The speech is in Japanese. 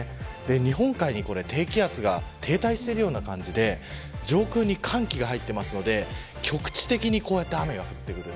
日本海に低気圧が停滞しているような感じで上空に寒気が入っていますので局地的に雨が降ってくる。